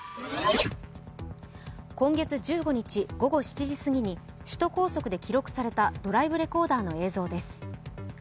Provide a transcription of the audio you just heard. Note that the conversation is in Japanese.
今月１５日午後７時すぎに首都高速で記録されたドライブレコーダーの映像です。